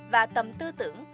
và tầm tư tưởng